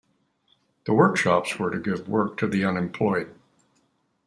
The workshops were to give work to the unemployed.